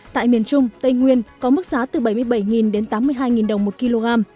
tại miền trung tây nguyên có mức giá từ bảy mươi bảy đến tám mươi hai đồng một kg